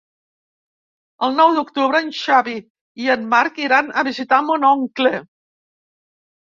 El nou d'octubre en Xavi i en Marc iran a visitar mon oncle.